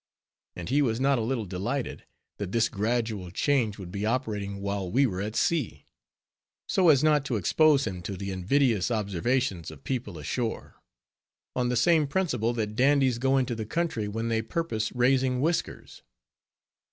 And he was not a little delighted, that this gradual change would be operating while we were at sea; so as not to expose him to the invidious observations of people ashore; on the same principle that dandies go into the country when they purpose raising whiskers.